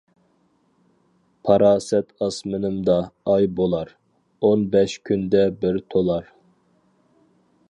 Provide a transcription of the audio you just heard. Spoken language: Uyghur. پاراسەت ئاسمىنىمدا ئاي بولار، ئون بەش كۈندە بىر تولار.